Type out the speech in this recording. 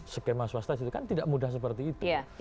skema swasta itu kan tidak mudah seperti itu